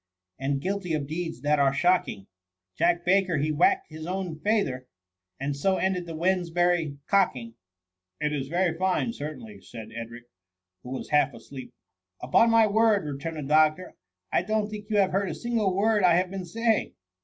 And guilty of deeds that are shocking, Jack Baker he whack'd his own feyther. And so ended the Wednesbury cocking.' »»" It is very fine certainly,'' said Edric, who was half asleep. " Upon ray word,'' returned the doctor, " I don't think you have heard a single word I have been saying."